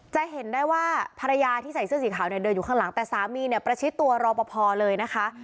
จะเห็นได้ว่าภรรยาที่ใส่เสื้อสีขาวเนี่ยเดินอยู่ข้างหลังแต่สามีเนี่ยประชิดตัวรอปภเลยนะคะ